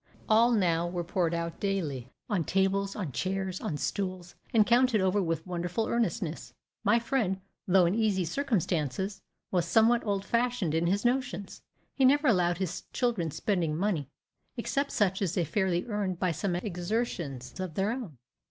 All now were poured out daily, on tables, on chairs, on stools, and counted over with wonderful earnestness. My friend, though in easy circumstances, was somewhat old fashioned in his notions. He never allowed his children spending money, except such as they fairly earned by some exertions of their own.